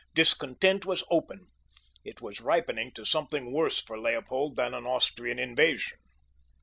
Discontent was open. It was ripening to something worse for Leopold than an Austrian invasion.